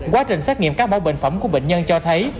quá trình xét nghiệm các mẫu bệnh phẩm của bệnh nhân cho thấy